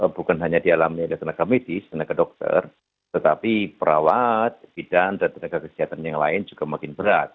bukan hanya dialami oleh tenaga medis tenaga dokter tetapi perawat bidan dan tenaga kesehatan yang lain juga makin berat